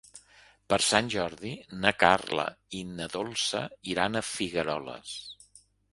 Per Sant Jordi na Carla i na Dolça iran a Figueroles.